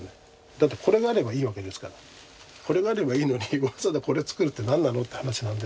だってこれがあればいいわけですから「これがあればいいのにわざわざこれ作るって何なの？」って話なんで。